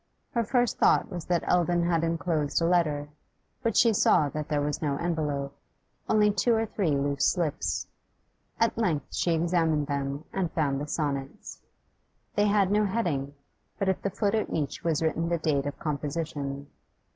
Her first thought was that Eldon had enclosed a letter; but she saw that there was no envelope, only two or three loose slips. At length she examined them and found the sonnets. They had no heading, but at the foot of each was written the date of composition.